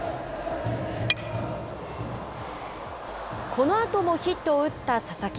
このあともヒットを打った佐々木。